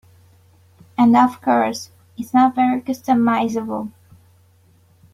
And of course, it's not very customizable.